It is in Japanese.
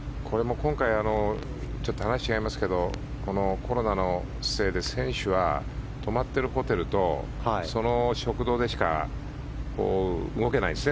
話は違いますけどコロナのせいで選手は、泊まっているホテルとその食堂でしか動けないんですね